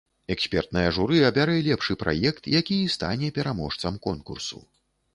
Экспертнае журы абярэ лепшы праект, які і стане пераможцам конкурсу.